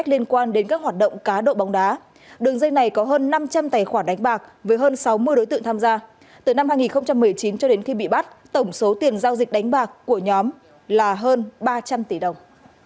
từ năm hai nghìn một mươi chín cho đến khi bị bắt tổng số tiền giao dịch đánh bạc của nhóm là hơn ba trăm linh tỷ đồng